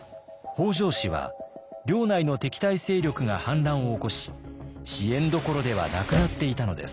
北条氏は領内の敵対勢力が反乱を起こし支援どころではなくなっていたのです。